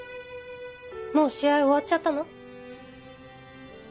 もう試合終わっちゃったの？